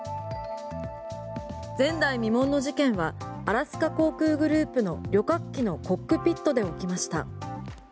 前代未聞の事件はアラスカ航空グループの旅客機のコックピットで起きました。